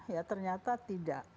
ya ternyata tidak